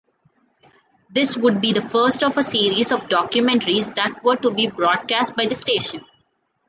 This would be the first of a series of documentaries that were to be broadcast by the station.